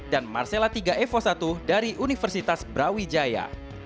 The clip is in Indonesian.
dan marcella iii evo i dari universitas brawijaya